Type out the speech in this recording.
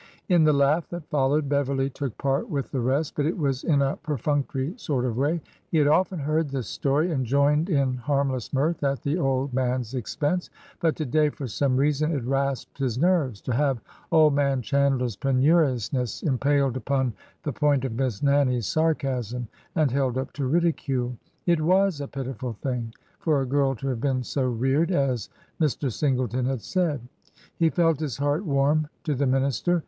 '' In the laugh that followed, Beverly took part with the rest, but it was in a perfunctory sort of way. He had often heard this story, and joined in harmless mirth at the old man's expense ; but to day, for some reason, it rasped his nerves to have old man Chandler's penurious ness impaled upon the point of Miss Nannie's sarcasm and held up to ridicule. It was a pitiful thing for a girl to have been so reared, as Mr. Singleton had said. He felt his heart warm to the minister.